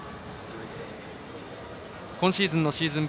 今シーズンのシーズン